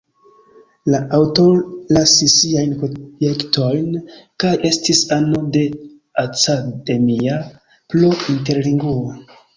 La aŭtoro lasis siajn projektojn kaj estis ano de Academia pro Interlingua.